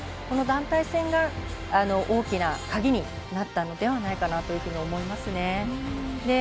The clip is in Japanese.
この団体戦が大きな鍵になったのではないかと思いますね。